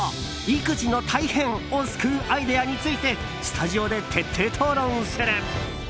育児の大変を救うアイデアについてスタジオで徹底討論する。